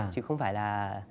chứ không phải là